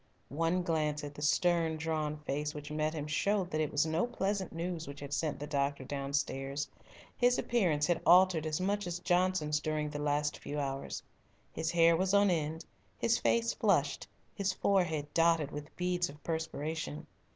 One glance at the stern, drawn face which met him showed that it was no pleasant news which had sent the doctor downstairs. His appearance had altered as much as Johnson's during the last few hours. His hair was on end, his face flushed, his forehead dotted with beads of perspiration.